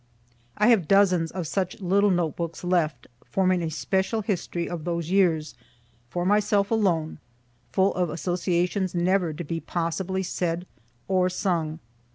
I have dozens of such little note books left, forming a special history of those years, for myself alone, full of associations never to be possibly said or sung.